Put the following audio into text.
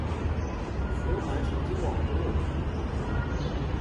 循环神经网络